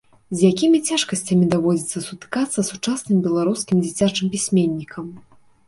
З якімі цяжкасцямі даводзіцца сутыкацца сучасным беларускім дзіцячым пісьменнікам?